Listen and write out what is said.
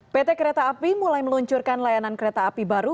pt kereta api mulai meluncurkan layanan kereta api baru